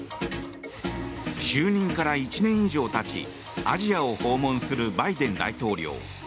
就任から１年以上たちアジアを訪問するバイデン大統領。